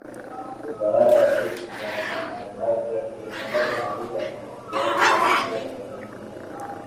Utawala wa Rais Trump ulitangaza dharura ya afya ya umma